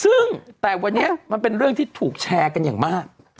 ซึ่งแต่วันนี้มันเป็นเรื่องที่ถูกแชร์กันอย่างมาก